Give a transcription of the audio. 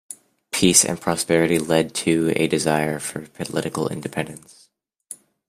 Peace and prosperity led to a desire for political independence.